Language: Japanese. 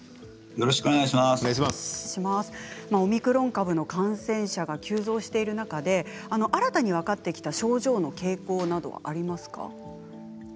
オミクロン株の感染者が急増している中で新たに分かってきた症状の傾向などはありますか？